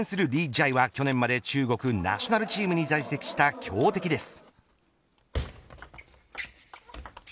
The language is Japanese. ジャイは去年まで中国ナショナルチームに在籍した強敵です。